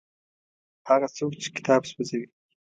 هغه څوک چې کتاب سوځوي.